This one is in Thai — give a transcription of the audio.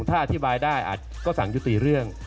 ถ้าอธิบายได้อาจก็สั่งยุติเรื่อง